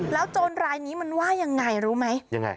แล้วโจรรายนี้มันว่ายังไงรู้ไหม